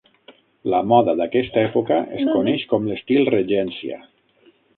La moda d'aquesta època es coneix com l'estil regència.